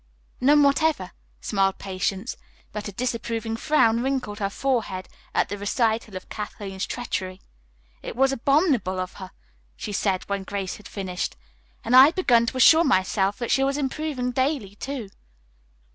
"None whatever," smiled Patience, but a disapproving frown wrinkled her forehead at the recital of Kathleen's treachery. "It was abominable in her," she said when Grace had finished. "And I had begun to assure myself that she was improving daily, too."